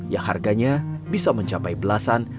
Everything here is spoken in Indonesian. yang harganya bisa mencapai belasan